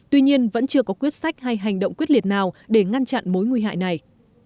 tuy nhiên vẫn chưa có quyết sách hay hành động quyết liệt nào để ngăn chặn mối nguy hại này